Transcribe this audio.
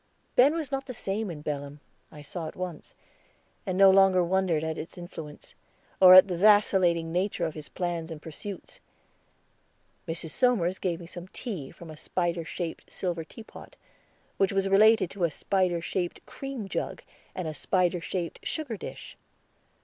Ben was not the same in Belem, I saw at once, and no longer wondered at its influence, or at the vacillating nature of his plans and pursuits. Mrs. Somers gave me some tea from a spider shaped silver tea pot, which was related to a spider shaped cream jug and a spider shaped sugar dish.